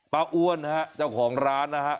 ป๊าอ้วนเนี้ยของร้านนะฮะ